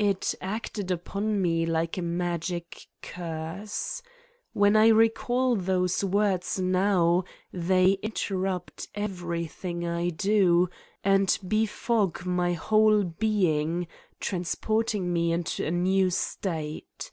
It acted upon me like a magic curse. When I recall those words now they interrupt every thing I do and befog my whole being, trans porting me into a new state.